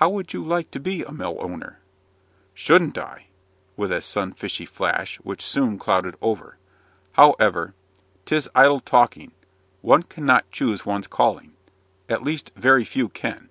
"Would you like to be a mill owner?" "Shouldn't I!" with a sunshiny flash, which soon clouded over. "However, 'tis idle talking; one cannot choose one's calling at least, very few can.